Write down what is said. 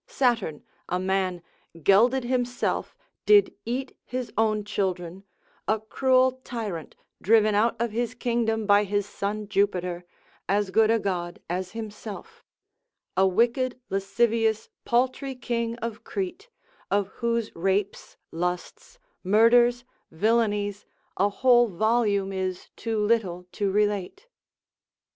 Saturn, a man, gelded himself, did eat his own children, a cruel tyrant driven out of his kingdom by his son Jupiter, as good a god as himself, a wicked lascivious paltry king of Crete, of whose rapes, lusts, murders, villainies, a whole volume is too little to relate.